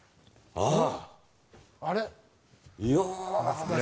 ああ。